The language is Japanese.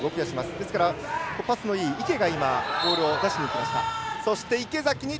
ですからパスのいい池がボールを出しにいきました。